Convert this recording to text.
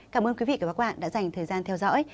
cảm ơn quý vị và các bạn đã dành thời gian theo dõi